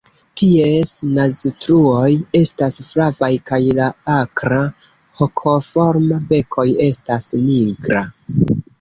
Ties naztruoj estas flavaj kaj la akra hokoforma bekoj estas nigra.